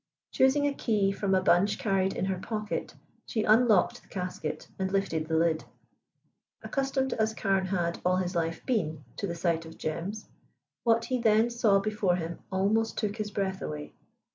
Choosing a key from a bunch carried in her pocket, she unlocked the casket, and lifted the lid. Accustomed as Carne had all his life been to the sight of gems, what he then saw before him almost took his breath away.